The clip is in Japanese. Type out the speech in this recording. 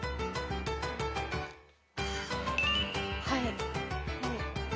はい。